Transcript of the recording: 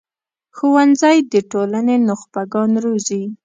ښوونځی د ټولنې نخبه ګان روزي